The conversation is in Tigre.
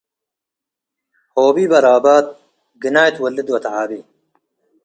ሆቢብ አራባት ግናይ ትወልድ ወተዐቤ